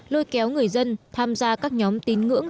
lôi kéo người dân tham gia các nhóm tín ngưỡng